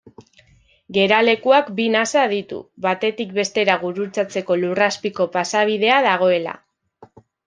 Geralekuak bi nasa ditu, batetik bestera gurutzatzeko lurrazpiko pasabidea dagoela.